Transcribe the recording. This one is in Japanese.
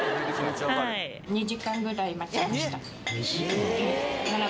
２時間ぐらい待ちました。